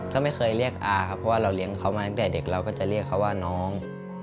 ก็ไม่เคยเรียกอาครับเพราะว่าเราเลี้ยงเขามาตั้งแต่เด็กเราก็จะเรียกเขาว่าน้อง